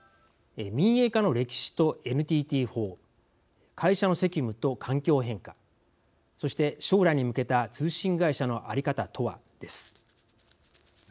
「民営化の歴史とＮＴＴ法」「会社の責務と環境変化」そして「将来に向けた通信会社のあり方とは」です。